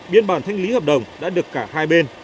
biên bản thanh lý hợp đồng đã được cả hai bên